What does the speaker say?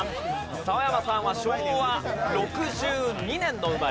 澤山さんは昭和６２年の生まれ。